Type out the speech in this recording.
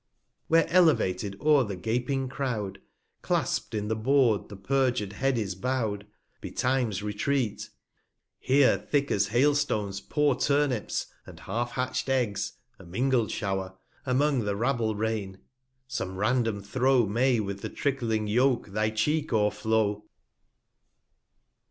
Where elevated o'er the gaping Croud, Clasp'd in the Board the perjur'd Head is bow'd, 100 Betimes retreat; here, thick as Hail stones pour, Turnips, and half hatch'd Eggs, (a mingled Show'r) Among the Rabble rain : Some random Throw May with the trickling Yolk thy Cheek overflow.